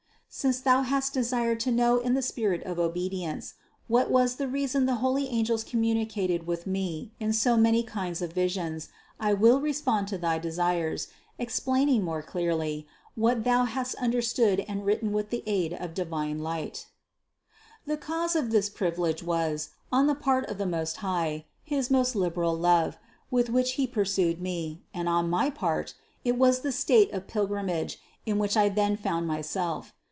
657. Since thou hast desired to know in the spirit of obedience, what was the reason that the holy angels com municated with me in so many kinds of visions, I will re spond to thy desires, explaining more clearly, what thou hast understood and written with the aid of divine light The cause of this privilege was, on the part of the Most High, his most liberal love, with which He pursued me, and on my part, it was the state of pilgrimage, in which I then found myself.